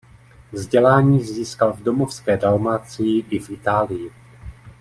Vzdělání získal v domovské Dalmácii i v Itálii.